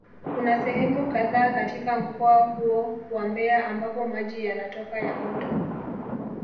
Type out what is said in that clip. Kuna sehemu kadhaa katika mkoa huo wa Mbeya ambapo maji yanatoka ya moto